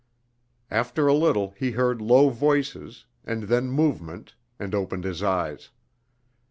After a little he heard low voices, and then movement, and opened his eyes.